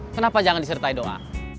kenapa jangan disertai doa